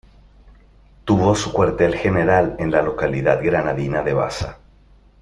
Tuvo su cuartel general en la localidad granadina de Baza.